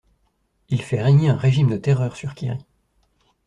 Il a fait régner un régime de terreur sur Kiri.